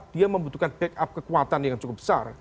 dia membutuhkan backup kekuatan yang cukup besar